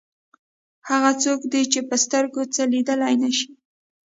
هغه څوک دی چې په سترګو څه لیدلی نه شي.